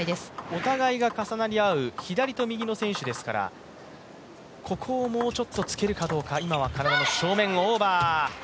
お互いが重なり合う左と右の選手ですからここをもうちょっとつけるかどうか。